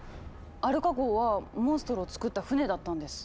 アルカ号はモンストロをつくった船だったんです。